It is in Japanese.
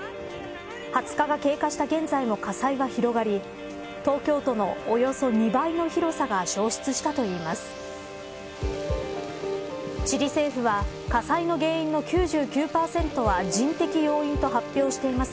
２０日が経過した現在も火災が広がり東京都のおよそ２倍の広さが焼失したといいます。